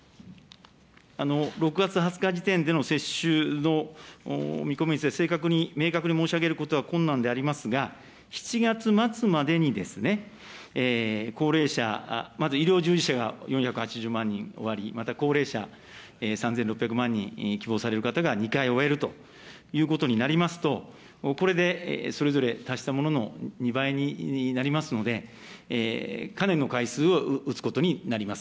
６月２０日時点での接種の見込みについて、正確に、明確に申し上げることは困難でありますが、７月末までに、高齢者、まず医療従事者が４８０万人終わり、また高齢者３６００万人、希望される方が２回終えるということになりますと、これでそれぞれ足したものの２倍になりますので、かなりの回数を打つことになります。